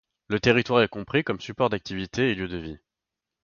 Le territoire est compris comme support d'activités et lieu de vie.